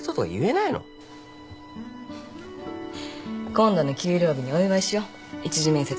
今度の給料日にお祝いしよう一次面接合格の。